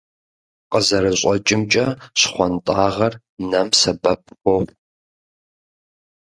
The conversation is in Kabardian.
КъызэрыщӀэкӀымкӀэ, щхъуантӀагъэр нэм сэбэп хуохъу.